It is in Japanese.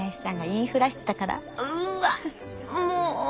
うわっもう！